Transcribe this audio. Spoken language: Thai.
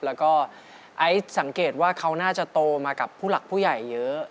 แล้วก็ไอซ์สังเกตว่าเขาน่าจะโตมากับผู้หลักผู้ใหญ่เยอะ